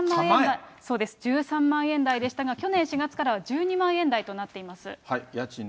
１３万円台でしたが、去年４月からは１２万円台となっています。